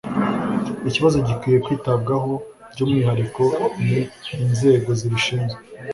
ikibazo gikwiye kwitabwaho by'umwihariko n inzego zibishinzwe